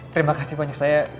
terima kasih banyak saya